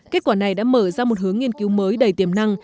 các nhà nghiên cứu tìm ra một hướng nghiên cứu mới đầy tiềm năng